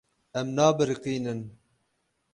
Em nabiriqînin.